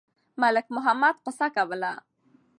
ملک محمد قصه کوله.